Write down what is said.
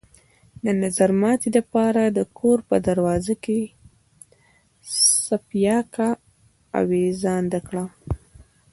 د نظرماتي د پاره د كور په دروازه کښې څپياكه اوېزانده کړه۔